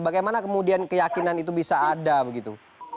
bagaimana kemudian keyakinan itu bisa ada begitu